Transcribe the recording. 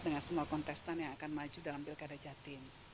dengan semua kontestan yang akan maju dalam pilkada jatim